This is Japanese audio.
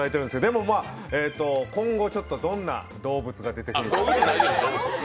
でも今後、どんな動物が出てくるか。